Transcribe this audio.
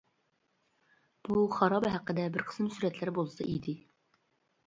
بۇ خارابە ھەققىدە بىر قىسىم سۈرەتلەر بولسا ئىدى.